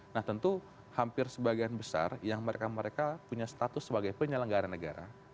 nah tentu hampir sebagian besar yang mereka mereka punya status sebagai penyelenggara negara